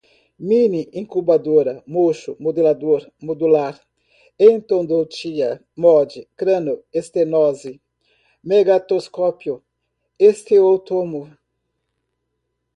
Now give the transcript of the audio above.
mini incubadora, mocho, modelador, modular, endodontia, molde, cranioestenose, negatoscópio, osteotomo